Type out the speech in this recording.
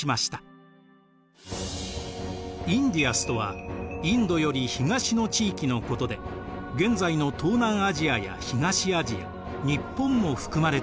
インディアスとはインドより東の地域のことで現在の東南アジアや東アジア日本も含まれていました。